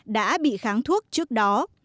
đã bị kháng thuốc trước đó